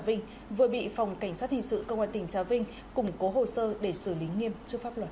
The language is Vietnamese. vinh vừa bị phòng cảnh sát hình sự công an tỉnh trà vinh củng cố hồ sơ để xử lý nghiêm trước pháp luật